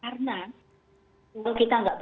kalau kita nggak begitu maka kita bisa bisa